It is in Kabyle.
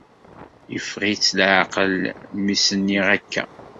Yeffeɣ-itt leɛqel mi s-nniɣ akka.